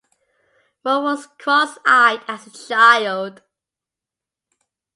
Moore was cross-eyed as a child.